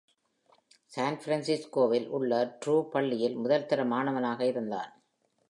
San Francisco-வில் உள்ள Drew பள்ளியில் முதல் தர மாணவனாக இருந்தான்.